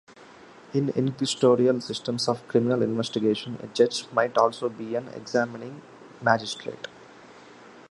In inquisitorial systems of criminal investigation, a judge might also be an examining magistrate.